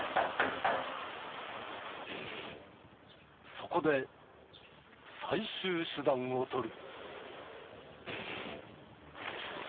そこで最終手段を取る。